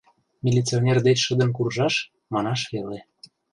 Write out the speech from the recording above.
— Милиционер деч шыдын куржаш — манаш веле.